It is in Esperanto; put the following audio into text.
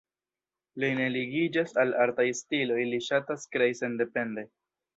Li ne ligiĝas al artaj stiloj, li ŝatas krei sendepende.